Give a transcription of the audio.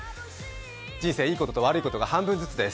人生、いいことと悪いことが半分ずつです。